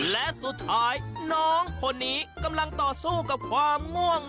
และสุดท้ายน้องคนนี้กำลังต่อสู้กับความง่วง